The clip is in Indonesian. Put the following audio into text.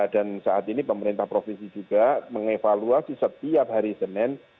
dan saat ini pemerintah provinsi juga mengevaluasi setiap hari senin